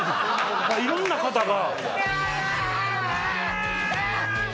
いろんな方が。